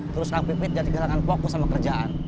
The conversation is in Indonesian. terus kang pipit jadi kehilangan fokus sama kerjaan